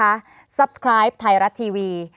ภารกิจสรรค์ภารกิจสรรค์